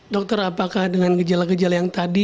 dokter apakah dengan gejala gejala yang tadi